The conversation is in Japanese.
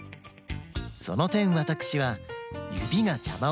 そのてんわたくしはゆびがじゃまをしない